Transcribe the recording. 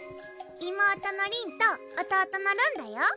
妹のりんと弟のるんだよ